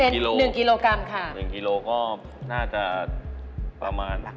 เป็น๑กิโลกรัมค่ะก็น่าจะประมาณ